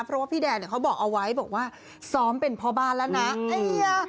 เพราะพี่แดนเขเบ้วเอาไว้บอกว่าสอบเป็นพอบาลล็ะนะ